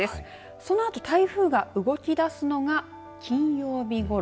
そのあと台風が動きだすのが金曜日ごろ。